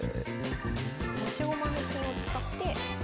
持ち駒の金を使って。